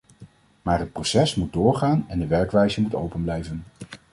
Maar het proces moet doorgaan en de werkwijze moet open blijven.